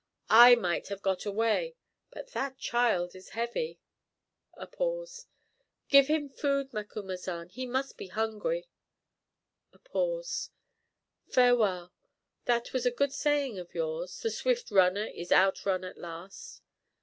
I might have got away, but that child is heavy." (A pause.) "Give him food, Macumazahn, he must be hungry," (A pause.) "Farewell. That was a good saying of yours the swift runner is outrun at last.